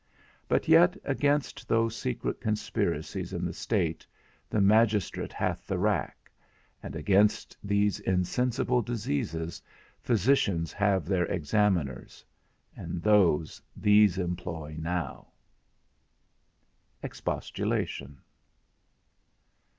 But yet against those secret conspiracies in the state, the magistrate hath the rack; and against these insensible diseases physicians have their examiners; and those these employ now. X. EXPOSTULATION.